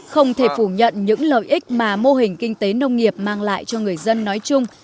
không thể phủ nhận những lợi ích mà mô hình kinh tế nông nghiệp mang lại cho người dân nói chung